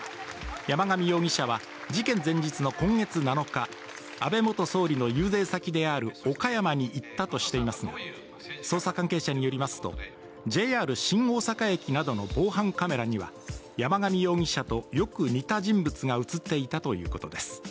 山上容疑者は事件前日の今月７日、安倍元総理の遊説先である岡山に行ったとしていますが捜査関係者によりますとＪＲ新大阪駅などの防犯カメラには山上容疑者とよく似た人物が映っていたということです。